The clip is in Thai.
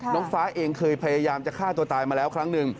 น้องฟ้าเองเคยพยายามจะฆ่าตัวตายมาแล้วครั้งหนึ่ง